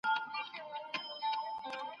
د پانګي څخه اغيزمن کار اخيستل کيده.